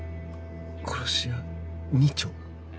殺し屋二丁？